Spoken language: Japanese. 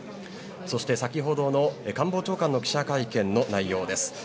そして、先ほどの官房長官の記者会見の内容です。